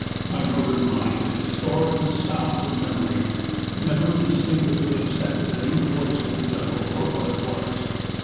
My northern mind, stored with sounds of memory, never instinctively accepted a new voice of the jungle for what it was.